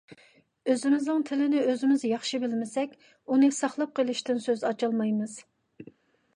ئۆزىمىزنىڭ تىلىنى ئۆزىمىز ياخشى بىلمىسەك، ئۇنى ساقلاپ قېلىشتىن سۆز ئاچالمايمىز.